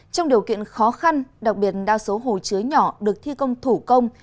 trong điều kiện khó khăn đặc biệt đa số hồ chứa nhỏ được thi công thủ công